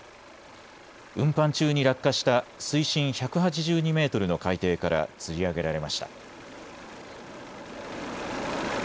運搬中に落下した水深１８２メートルの海底からつり上げられました。